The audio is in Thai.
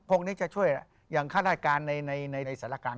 พวกนี้จะช่วยอย่างค่าได้การในสรรค์การ